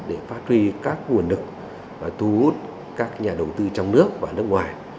để phát huy các nguồn lực thu hút các nhà đầu tư trong nước và nước ngoài